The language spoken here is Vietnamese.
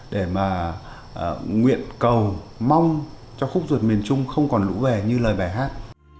để mà nguyễn cầu mong cho khúc ruột miền trung không còn lũ vẻ như lời bài hát